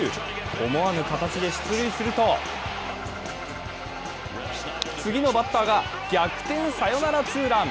思わぬ形で出塁すると次のバッターが逆転サヨナラツーラン。